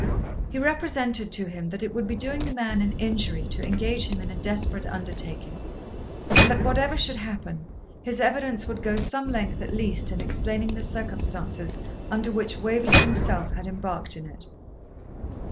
He represented to him, that it would be doing the man an injury to engage him in a desperate undertaking, and that, whatever should happen, his evidence would go some length at least in explaining the circumstances under which Waverley himself had embarked in it.